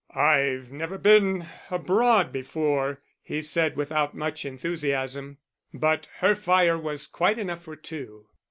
"I've never been abroad before," he said, without much enthusiasm. But her fire was quite enough for two.